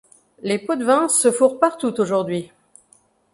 Les pots-de-vin se fourrent partout aujourd’hui.